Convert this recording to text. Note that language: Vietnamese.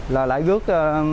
là lại gước